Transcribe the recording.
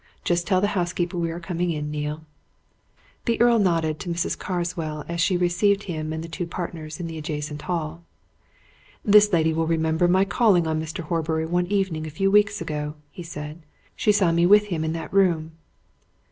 Just tell the housekeeper we are coming in, Neale." The Earl nodded to Mrs. Carswell as she received him and the two partners in the adjacent hall. "This lady will remember my calling on Mr. Horbury one evening a few weeks ago," he said. "She saw me with him in that room."